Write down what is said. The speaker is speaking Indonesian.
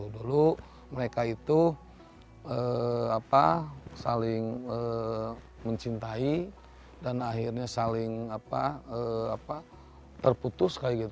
dulu mereka itu saling mencintai dan akhirnya saling terputus